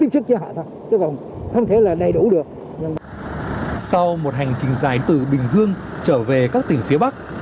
sau một hành trình dài từ bình dương trở về các tỉnh phía bắc